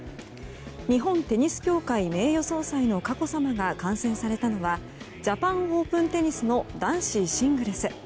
日本テニス協会名誉総裁の佳子さまが観戦されたのはジャパン・オープン・テニスの男子シングルス。